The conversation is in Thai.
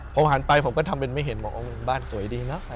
ผมหันไปผมก็ทำให้ไม่เห็นบ้านสวยดีเนาะ